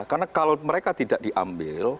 karena kalau mereka tidak diambil